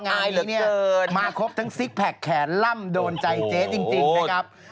เหลือเกินมาครบทั้งซิกแพคแขนล่ำโดนใจเจ๊จริงนะครับ